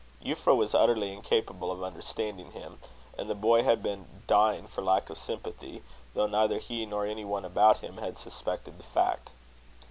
Euphra was utterly incapable of understanding him; and the boy had been dying for lack of sympathy, though neither he nor any one about him had suspected the fact.